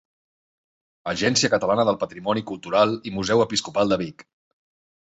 Agència Catalana del Patrimoni Cultural i Museu Episcopal de Vic.